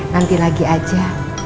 nanti lagi aja